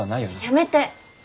やめて。